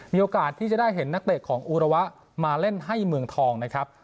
มีโอกาสที่จะได้เห็นนักเตะของอุระวะมาเล่นให้เมืองทองนะครับ